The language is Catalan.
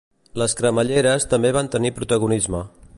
Les cremalleres també van tenir protagonisme.